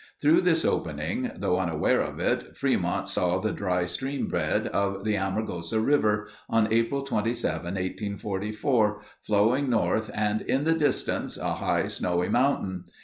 Through this opening, though unaware of it, Fremont saw the dry stream bed of the Amargosa River, on April 27, 1844, flowing north and in the distance "a high, snowy mountain."